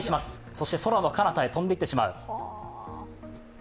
そして空のかなたへ飛んで行ってしまう。